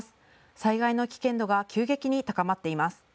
災害の危険度が急激に高まっています。